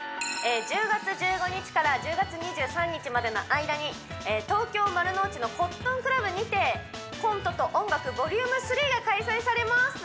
１０月１５日から１０月２３日までの間に東京丸の内のＣＯＴＴＯＮＣＬＵＢにて「コントと音楽ｖｏｌ．３」が開催されます